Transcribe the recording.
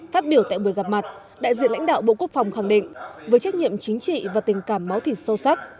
phát biểu tại buổi gặp mặt đại diện lãnh đạo bộ quốc phòng khẳng định với trách nhiệm chính trị và tình cảm máu thịt sâu sắc